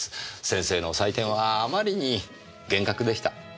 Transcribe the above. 先生の採点はあまりに厳格でした。